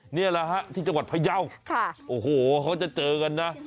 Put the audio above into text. นี่แหละฮะที่จังหวัดพยาวโอ้โหเขาจะเจอกันนะ